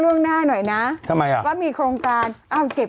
่งหน้าหน่อยนะทำไมอ่ะก็มีโครงการอ้าวเก็บ